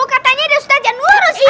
katanya ada ustadz nurul sih